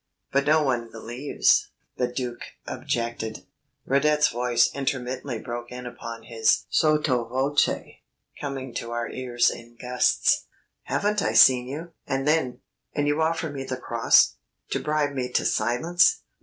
"But no one believes," the Duc objected ... Radet's voice intermittently broke in upon his sotto voce, coming to our ears in gusts. "Haven't I seen you ... and then ... and you offer me the cross ... to bribe me to silence